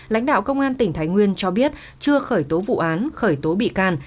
lãnh đạo công an tỉnh thái nguyên cho biết chưa khởi tố vụ án khởi tố bị can